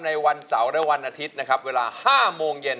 ในวันเสาร์และวันอาทิตย์นะครับเวลา๕โมงเย็น